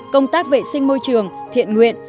công tác vệ sinh môi trường thiện nguyện